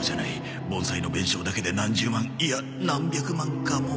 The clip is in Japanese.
盆栽の弁償だけで何十万いや何百万かも